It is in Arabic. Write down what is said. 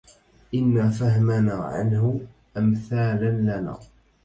إنا فهمنا عنه أمثالا لنا